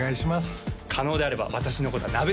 可能であれば私のことはナベ